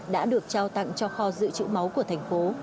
đã được trao tặng cho kho dự trữ máu của tp